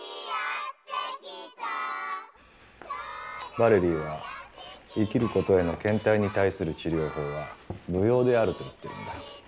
ヴァレリーは生きることへのけん怠に対する治療法は舞踊であると言ってるんだよ。